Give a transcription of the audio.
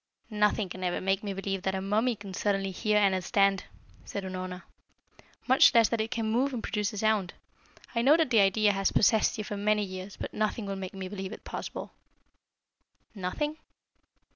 "Nothing can ever make me believe that a mummy can suddenly hear and understand," said Unorna. "Much less that it can move and produce a sound. I know that the idea has possessed you for many years, but nothing will make me believe it possible." "Nothing?"